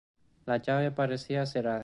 La llave parecía cerrada.